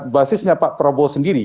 basisnya pak prabowo sendiri